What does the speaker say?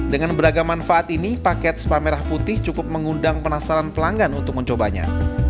dengan beragam manfaat ini paket spa merah putih cukup mengundang penasaran pelanggan untuk mencobanya